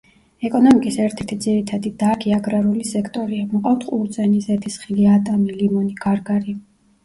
ეკონომიკის ერთ-ერთი ძირითადი დარგი აგრარული სექტორია, მოყავთ ყურძენი, ზეთისხილი, ატამი, ლიმონი, გარგარი.